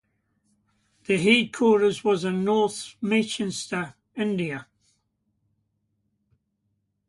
The headquarters was in North Manchester, Indiana.